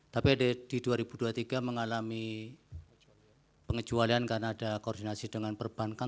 tapi di dua ribu dua puluh tiga mengalami pengecualian karena ada koordinasi dengan perbankan